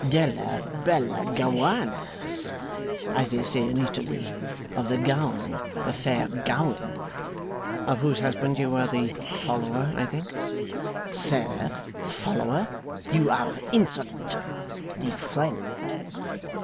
'Della bella Gowana, sir, as they say in Italy. Of the Gowan, the fair Gowan.' 'Of whose husband you were the follower, I think?' 'Sir? Follower? You are insolent. The friend.